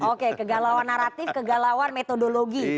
oke kegalauan naratif kegalauan metodologi